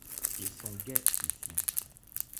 Ils sont gais, ici!